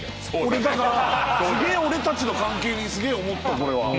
俺だから俺たちの関係にすげえ思ったこれは。